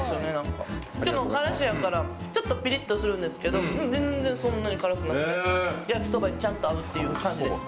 からしやからピリッとするんですけど全然そんなに辛くなくて焼きそばにちゃんと合うっていう感じです。